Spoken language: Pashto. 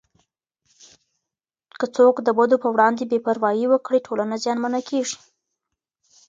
که څوک د بدو په وړاندې بې پروايي وکړي، ټولنه زیانمنه کېږي.